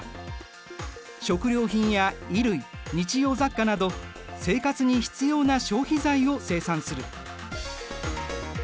食料品や衣類日用雑貨など生活に必要な消費財を生産する。